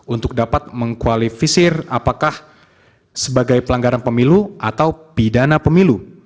untuk dapat mengkualifisir apakah sebagai pelanggaran pemilu atau pidana pemilu